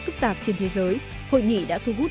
phức tạp trên thế giới hội nghị đã thu hút